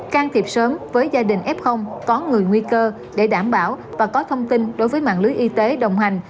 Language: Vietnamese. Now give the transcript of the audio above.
can thiệp sớm với gia đình f có người nguy cơ để đảm bảo và có thông tin đối với mạng lưới y tế đồng hành